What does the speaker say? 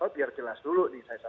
biar jelas dulu